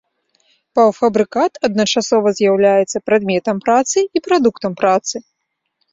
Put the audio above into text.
Паўфабрыкат адначасова з'яўляецца прадметам працы і прадуктам працы.